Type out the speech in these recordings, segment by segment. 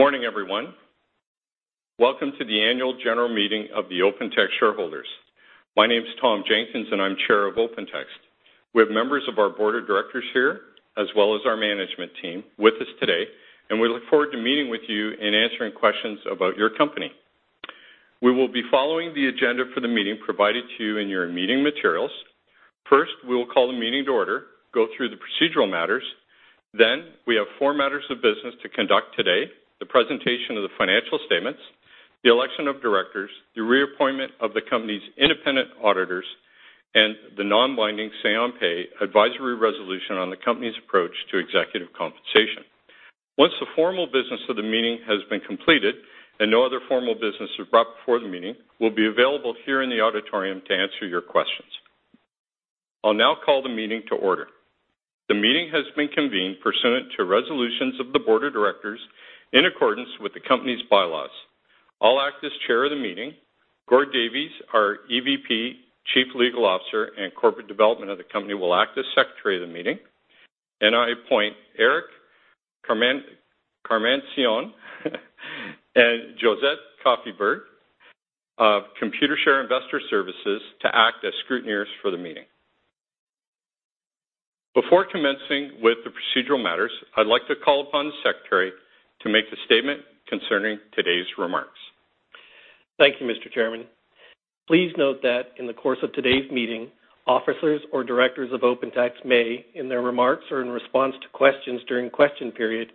Good morning, everyone. Welcome to the Annual General Meeting of the Open Text shareholders. My name is Tom Jenkins, and I'm Chair of Open Text. We have members of our Board of Directors here, as well as our management team with us today, and we look forward to meeting with you and answering questions about your company. We will be following the agenda for the meeting provided to you in your meeting materials. We will call the meeting to order, go through the procedural matters. We have four matters of business to conduct today: the presentation of the financial statements, the election of directors, the reappointment of the company's independent auditors, and the non-binding Say on Pay Advisory Resolution on the company's approach to executive compensation. Once the formal business of the meeting has been completed and no other formal business is brought before the meeting, we'll be available here in the auditorium to answer your questions. I'll now call the meeting to order. The meeting has been convened pursuant to resolutions of the Board of Directors in accordance with the company's bylaws. I'll act as chair of the meeting. Gord Davies, our EVP, Chief Legal Officer, and corporate development of the company, will act as secretary of the meeting. I appoint Eric Cormier and Josette Caufield of Computershare Investor Services to act as scrutineers for the meeting. Before commencing with the procedural matters, I'd like to call upon the secretary to make the statement concerning today's remarks. Thank you, Mr. Chairman. Please note that in the course of today's meeting, officers or directors of Open Text may, in their remarks or in response to questions during question period,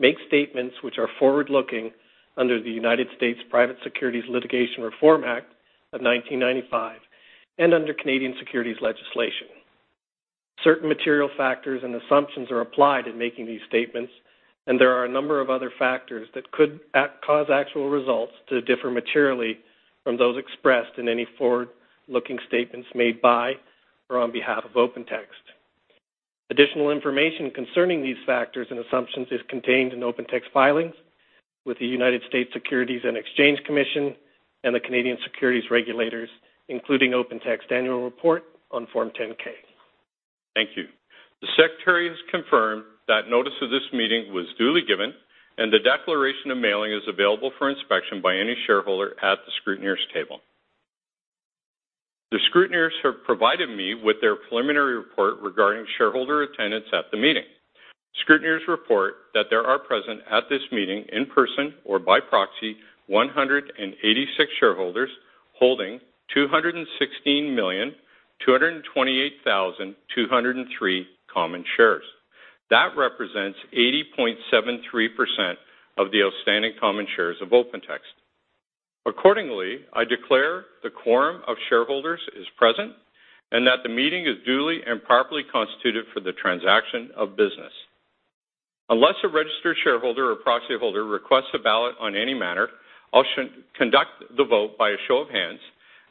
make statements which are forward-looking under the U.S. Private Securities Litigation Reform Act of 1995 and under Canadian securities legislation. Certain material factors and assumptions are applied in making these statements, there are a number of other factors that could cause actual results to differ materially from those expressed in any forward-looking statements made by or on behalf of Open Text. Additional information concerning these factors and assumptions is contained in Open Text filings with the U.S. Securities and Exchange Commission and the Canadian securities regulators, including Open Text annual report on Form 10-K. Thank you. The secretary has confirmed that notice of this meeting was duly given, the declaration of mailing is available for inspection by any shareholder at the scrutineers' table. The scrutineers have provided me with their preliminary report regarding shareholder attendance at the meeting. Scrutineers report that there are present at this meeting, in person or by proxy, 186 shareholders holding 216,228,203 common shares. That represents 80.73% of the outstanding common shares of Open Text. Accordingly, I declare the quorum of shareholders is present and that the meeting is duly and properly constituted for the transaction of business. Unless a registered shareholder or proxy holder requests a ballot on any matter, I'll conduct the vote by a show of hands,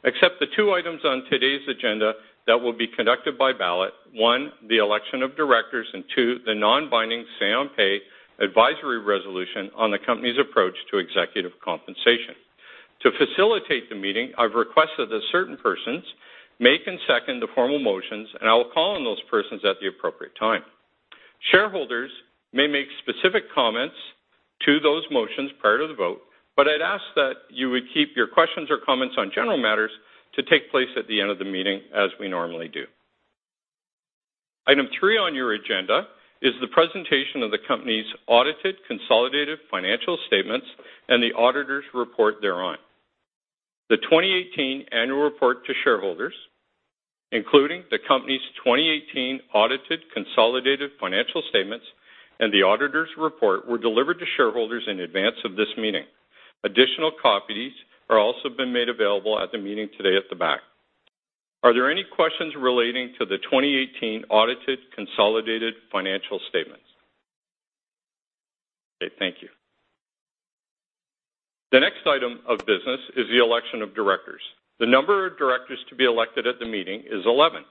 except the two items on today's agenda that will be conducted by ballot. One, the election of directors, and two, the non-binding say on pay advisory resolution on the company's approach to executive compensation. To facilitate the meeting, I've requested that certain persons make and second the formal motions, and I will call on those persons at the appropriate time. Shareholders may make specific comments to those motions prior to the vote, but I'd ask that you would keep your questions or comments on general matters to take place at the end of the meeting, as we normally do. Item three on your agenda is the presentation of the company's audited consolidated financial statements and the auditor's report thereon. The 2018 annual report to shareholders, including the company's 2018 audited consolidated financial statements and the auditor's report, were delivered to shareholders in advance of this meeting. Additional copies are also been made available at the meeting today at the back. Are there any questions relating to the 2018 audited consolidated financial statements? Okay, thank you. The next item of business is the election of directors. The number of directors to be elected at the meeting is 11.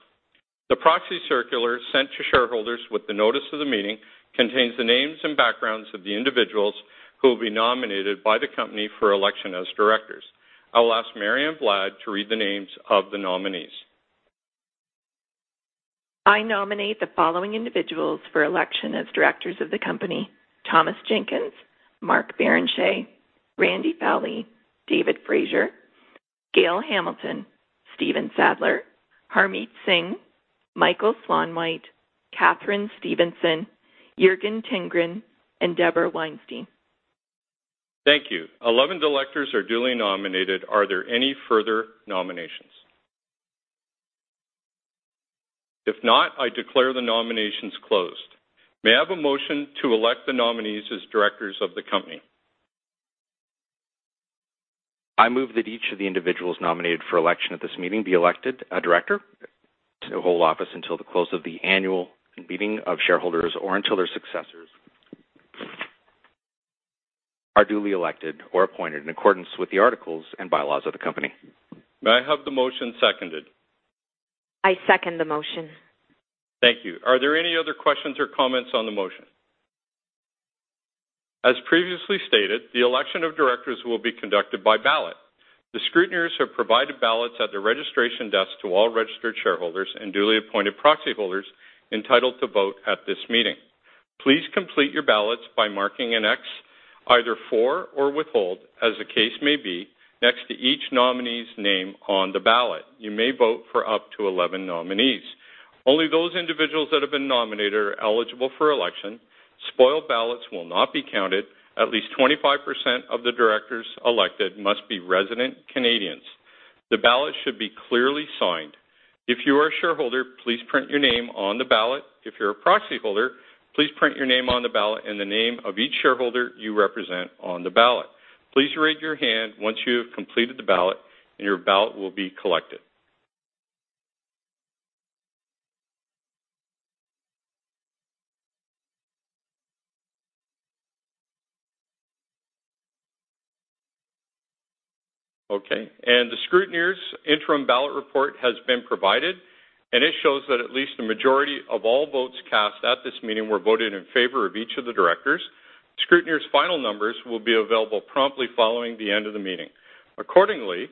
The proxy circular sent to shareholders with the notice of the meeting contains the names and backgrounds of the individuals who will be nominated by the company for election as directors. I will ask Marianne Plad to read the names of the nominees. I nominate the following individuals for election as directors of the company: Thomas Jenkins, Mark Barrenechea, Randy Fowlie, David Fraser, Gail Hamilton, Stephen Sadler, Harmit Singh, Michael Slaunwhite, Katharine Stevenson, Jürgen Tinggren and Deborah Weinstein. Thank you. 11 directors are duly nominated. Are there any further nominations? If not, I declare the nominations closed. May I have a motion to elect the nominees as directors of the company? I move that each of the individuals nominated for election at this meeting be elected a director to hold office until the close of the annual meeting of shareholders or until their successors are duly elected or appointed in accordance with the articles and bylaws of the company. May I have the motion seconded? I second the motion. Thank you. Are there any other questions or comments on the motion? As previously stated, the election of directors will be conducted by ballot. The scrutineers have provided ballots at the registration desk to all registered shareholders and duly appointed proxy holders entitled to vote at this meeting. Please complete your ballots by marking an X either for or withhold, as the case may be, next to each nominee's name on the ballot. You may vote for up to 11 nominees. Only those individuals that have been nominated are eligible for election. Spoiled ballots will not be counted. At least 25% of the directors elected must be resident Canadians. The ballot should be clearly signed. If you are a shareholder, please print your name on the ballot. If you're a proxy holder, please print your name on the ballot and the name of each shareholder you represent on the ballot. Please raise your hand once you have completed the ballot, and your ballot will be collected. Okay. The scrutineers interim ballot report has been provided, and it shows that at least a majority of all votes cast at this meeting were voted in favor of each of the directors. Scrutineers final numbers will be available promptly following the end of the meeting. Accordingly,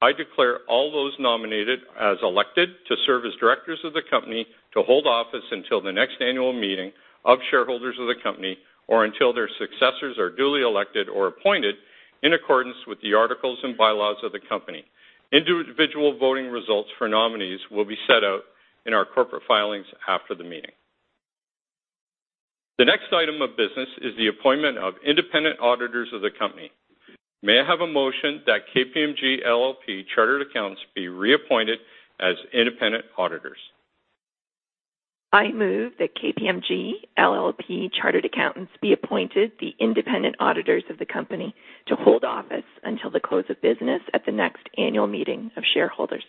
I declare all those nominated as elected to serve as directors of the company to hold office until the next annual meeting of shareholders of the company, or until their successors are duly elected or appointed in accordance with the articles and bylaws of the company. Individual voting results for nominees will be set out in our corporate filings after the meeting. The next item of business is the appointment of independent auditors of the company. May I have a motion that KPMG LLP Chartered Accountants be reappointed as independent auditors? I move that KPMG LLP Chartered Accountants be appointed the independent auditors of the company to hold office until the close of business at the next annual meeting of shareholders.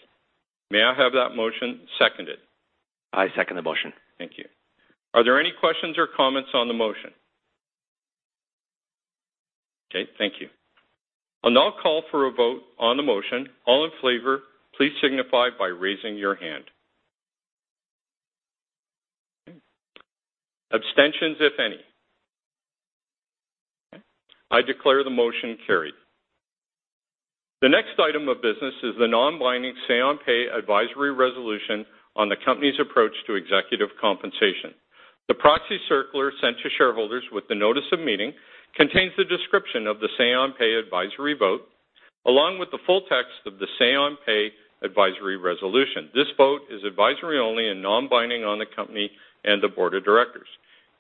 May I have that motion seconded? I second the motion. Thank you. Are there any questions or comments on the motion? Okay, thank you. I'll now call for a vote on the motion. All in favor, please signify by raising your hand. Okay. Abstentions, if any. Okay, I declare the motion carried. The next item of business is the non-binding say on pay advisory resolution on the company's approach to executive compensation. The proxy circular sent to shareholders with the notice of meeting contains the description of the say on pay advisory vote, along with the full text of the say on pay advisory resolution. This vote is advisory only and non-binding on the company and the board of directors.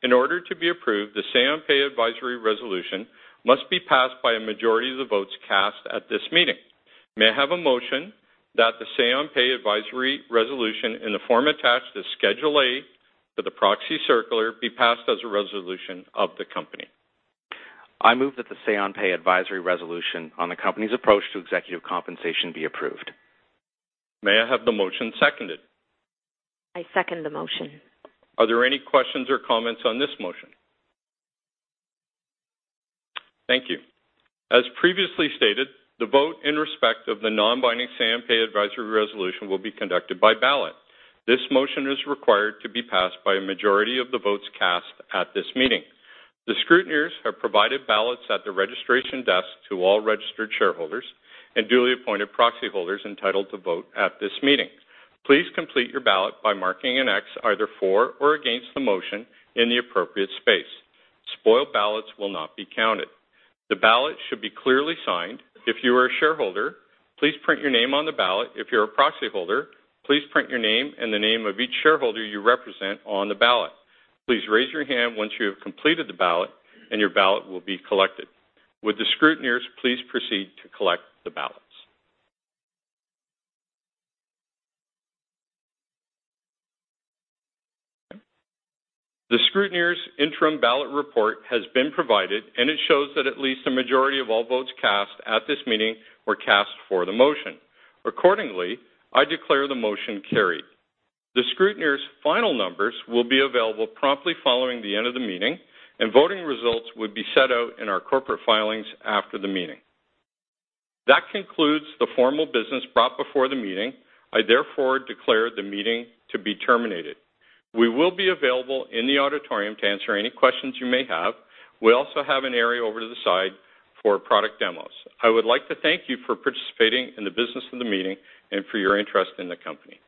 In order to be approved, the say on pay advisory resolution must be passed by a majority of the votes cast at this meeting. May I have a motion that the say on pay advisory resolution in the form attached to Schedule A to the proxy circular be passed as a resolution of the company? I move that the say on pay advisory resolution on the company's approach to executive compensation be approved. May I have the motion seconded? I second the motion. Are there any questions or comments on this motion? Thank you. As previously stated, the vote in respect of the non-binding say on pay advisory resolution will be conducted by ballot. This motion is required to be passed by a majority of the votes cast at this meeting. The scrutineers have provided ballots at the registration desk to all registered shareholders and duly appointed proxy holders entitled to vote at this meeting. Please complete your ballot by marking an X either for or against the motion in the appropriate space. Spoiled ballots will not be counted. The ballot should be clearly signed. If you are a shareholder, please print your name on the ballot. If you're a proxy holder, please print your name and the name of each shareholder you represent on the ballot. Please raise your hand once you have completed the ballot, and your ballot will be collected. Would the scrutineers please proceed to collect the ballots? Okay. The scrutineers interim ballot report has been provided. It shows that at least a majority of all votes cast at this meeting were cast for the motion. Accordingly, I declare the motion carried. The scrutineers final numbers will be available promptly following the end of the meeting. Voting results will be set out in our corporate filings after the meeting. That concludes the formal business brought before the meeting. I therefore declare the meeting to be terminated. We will be available in the auditorium to answer any questions you may have. We also have an area over to the side for product demos. I would like to thank you for participating in the business of the meeting and for your interest in the company. Thank you